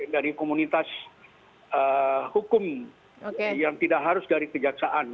dari komunitas hukum yang tidak harus dari kejaksaan